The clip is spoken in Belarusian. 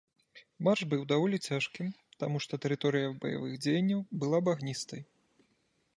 Марш быў даволі цяжкім, таму што тэрыторыя баявых дзеянняў была багністай.